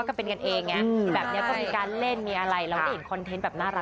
เห็นละเรามีเนอะพี่เจ๊เนาะ